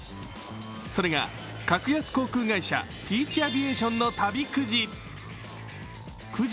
それが格安航空会社ピーチ・アビエーションの旅くじ。